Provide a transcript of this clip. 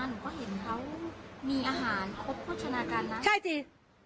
หนูก็เห็นเขามีอาหารครบโภชนาการนะใช่สิ